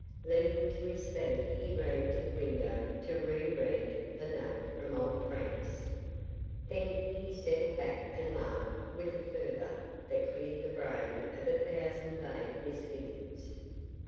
Leaping to his feet he ran to the window to re read the note from old Franz. Then he settled back and laughed with a fervor that cleared the brain of a thousand vague misgivings.